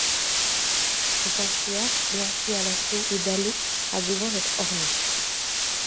Ce sanctuaire, blanchi à la chaux et dallé, a besoin d’être orné.